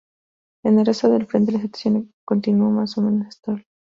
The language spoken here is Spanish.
En el resto del frente la situación continuó más o menos estable.